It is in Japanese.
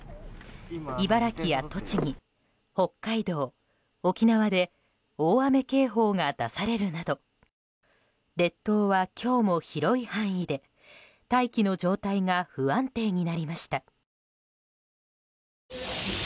茨城や栃木、北海道、沖縄で大雨警報が出されるなど列島は今日も広い範囲で、大気の状態が不安定になりました。